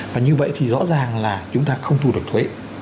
và như vậy thì rõ ràng là chúng ta không thu được thuế